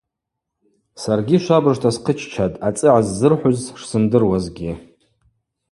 Саргьи швабыжта схъыччатӏ, ацӏыгӏа ззырхӏвуз шсымдыруазгьи.